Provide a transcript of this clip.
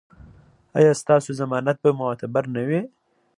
ایا ستاسو ضمانت به معتبر نه وي؟